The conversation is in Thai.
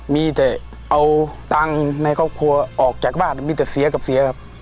มีแต่เอาตังค์ในครอบครัวออกจากบ้านมีแต่เสียกับเสียครับ